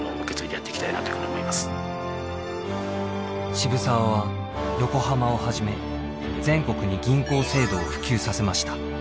渋沢は横浜をはじめ全国に銀行制度を普及させました。